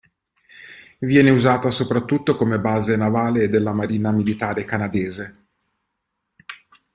Viene usata soprattutto come base navale della marina militare canadese.